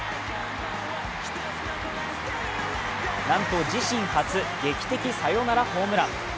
なんと自身初、劇的サヨナラホームラン。